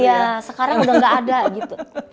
iya sekarang udah gak ada gitu